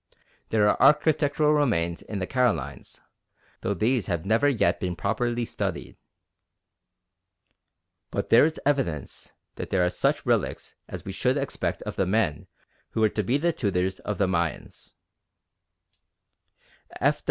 There are architectural remains in the Carolines, though these have never yet been properly studied. But there is evidence that they are just such relics as we should expect of the men who were to be the tutors of the Mayans.